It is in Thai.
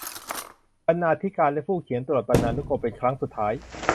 บรรณาธิการและผู้เขียนตรวจบรรณานุกรมเป็นครั้งสุดท้าย